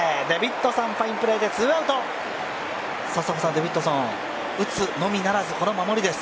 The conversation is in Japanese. デビッドソン、打つのみならず、この守りです。